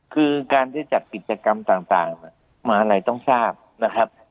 คือการที่จัดกิจกรรมต่างมหาลัยต้องทราบนะครับ